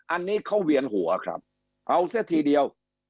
อันนี้เขาเวียนหัวครับเอาเสียทีเดียว